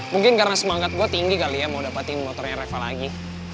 mungkin karena semangat gue tinggi kali ya mau dapatin motornya reva lagi